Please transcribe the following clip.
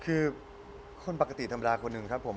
คือคนปกติธรรมดาคนหนึ่งครับผม